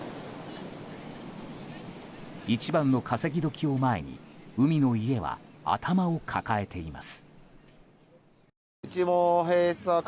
一番の稼ぎ時を前に海の家は頭を抱えています。